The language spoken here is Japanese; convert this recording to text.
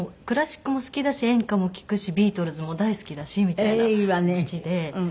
クラシックも好きだし演歌も聴くしビートルズも大好きだしみたいな父で。